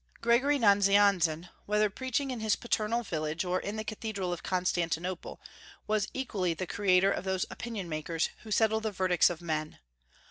Gregory Nazianzen, whether preaching in his paternal village or in the cathedral of Constantinople, was equally the creator of those opinion makers who settle the verdicts of men.